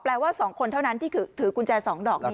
ว่า๒คนเท่านั้นที่ถือกุญแจ๒ดอกนี้